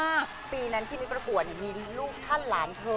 ปีนั้นที่ไม่ประกวดมีลูกท่านหลานเธอ